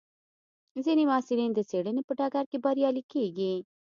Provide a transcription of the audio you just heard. ځینې محصلین د څېړنې په ډګر کې بریالي کېږي.